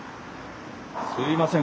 すみません。